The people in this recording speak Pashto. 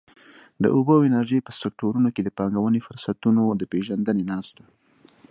د اوبو او انرژۍ په سکټورونو کې د پانګونې فرصتونو د پېژندنې ناسته.